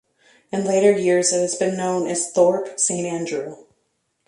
In later years it has been known as 'Thorpe Saint Andrew'.